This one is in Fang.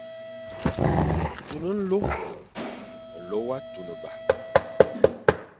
Tun nlô, nlô wa tunba.